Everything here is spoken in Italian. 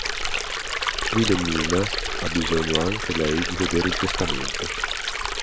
Wilhelmina ha bisogno anche lei di vedere il testamento.